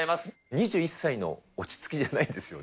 ２１歳の落ち着きじゃないですよね。